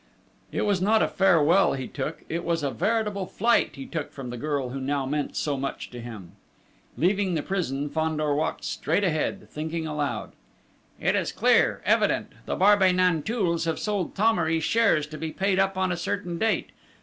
It was not a farewell he took it was a veritable flight he took from the girl who now meant so much to him! Leaving the prison, Fandor walked straight ahead, thinking aloud. "It is clear evident! The Barbey Nanteuils have sold Thomery shares to be paid up on a certain date.